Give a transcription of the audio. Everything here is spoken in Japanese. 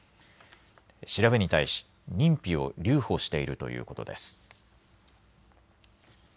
調べに対し認否を留保しているということです。